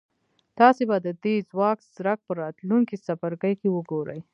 تاسې به د دې ځواک څرک په راتلونکي څپرکي کې وګورئ.